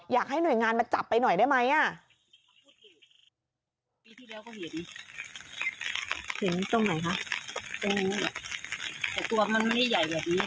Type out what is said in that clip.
อยากให้หน่วยงานมาจับไปหน่อยได้ไหม